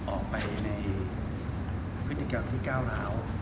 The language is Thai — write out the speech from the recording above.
ออกไปในพฤติกรรมที่ก้าวร้าว